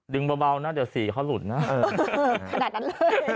ดึงเบาเบานะเดี๋ยวสีเขาหลุดนะเออขนาดนั้นเลย